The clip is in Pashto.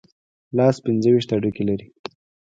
لاس پنځه ویشت هډوکي لري.